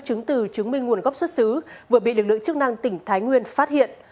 chứng từ chứng minh nguồn gốc xuất xứ vừa bị lực lượng chức năng tỉnh thái nguyên phát hiện